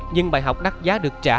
nhưng bài học đắt giá được trả